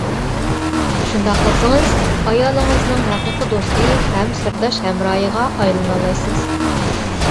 شۇنداق قىلسىڭىز ئايالىڭىزنىڭ ھەقىقىي دوستى ھەم سىرداش ھەمراھىغا ئايلىنالايسىز.